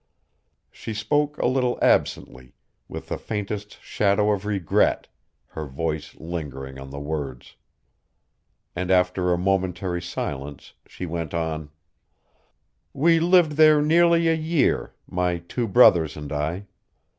She spoke a little absently, with the faintest shadow of regret, her voice lingering on the words. And after a momentary silence she went on: "We lived there nearly a year, my two brothers and I.